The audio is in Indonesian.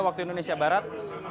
tiga waktu indonesia barat